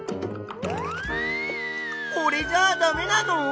これじゃあダメなの？